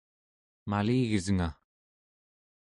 maligesnga!